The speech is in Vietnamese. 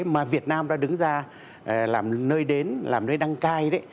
mà việt nam đã đứng ra làm nơi đến làm nơi đăng cai đấy